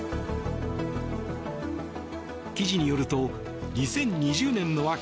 記事によると２０２０年の秋